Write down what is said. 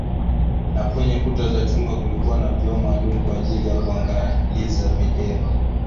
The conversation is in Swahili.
Na kwenye kuta za chumba kulikuwa na vioo maalum kwaajili ya kuangalizia video